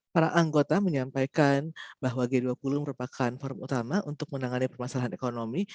para anggota menyampaikan bahwa g dua puluh merupakan forum utama untuk menangani permasalahan ekonomi